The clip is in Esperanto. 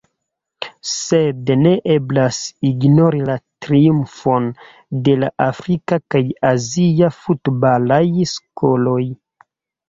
Sed ne eblas ignori la triumfon de la afrika kaj azia futbalaj skoloj.